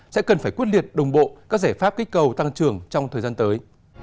sẽ cần phải quyết liệt đồng bộ các giải pháp kích cầu tăng trưởng trong thời gian tới